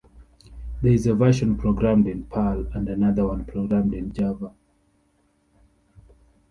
There is a version programmed in Perl and another one programmed in Java.